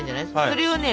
それをね